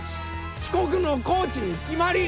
四国の高知にきまり！